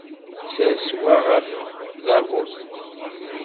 Ssers wa ɣef tdabut.